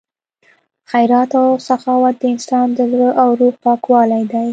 خیرات او سخاوت د انسان د زړه او روح پاکوالی دی.